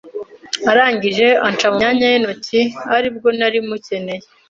arangije anca mu myanya y’intoki ari bwo nari mukeneye